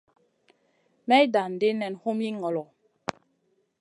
May dan ɗi nen humi ŋolo.